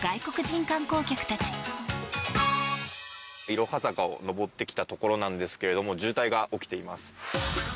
いろは坂を上ってきたところですが渋滞が起きています。